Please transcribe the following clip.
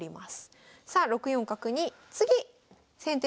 さあ６四角に次先手